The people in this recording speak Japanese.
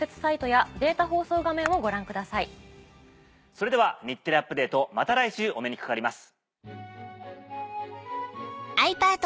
それでは『日テレアップＤａｔｅ！』また来週お目にかかります。